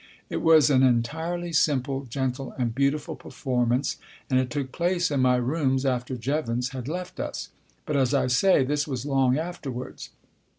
It was an entirely simple, gentle and beautiful performance, and it took place in my rooms after Jevons had left us. But, as I say, this was long afterwards.